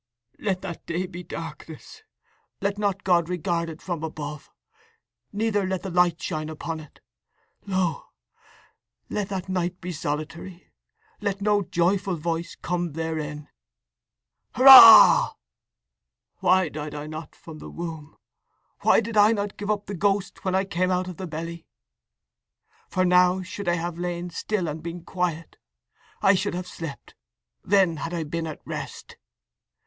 _"Let that day be darkness; let not God regard it from above, neither let the light shine upon it. Lo, let that night be solitary, let no joyful voice come therein."_ ("Hurrah!") _"Why died I not from the womb? Why did I not give up the ghost when I came out of the belly? … For now should I have lain still and been quiet. I should have slept: then had I been at rest!"